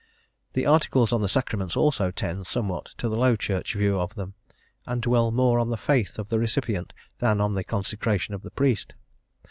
The Articles on the Sacraments also tend somewhat to the Low Church view of them, and dwell more on the faith of the recipient than on the consecration of the priest.